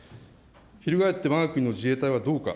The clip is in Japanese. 翻って、わが国の自衛隊はどうか。